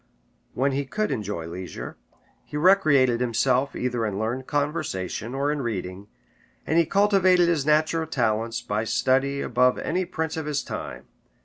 When he could enjoy leisure, he recreated himself either in learned conversation or in reading; and he cultivated his natural talents by study above any prince of his time.